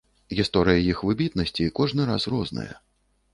Гісторыя іх выбітнасці кожны раз розная.